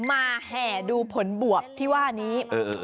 แห่ดูผลบวบที่ว่านี้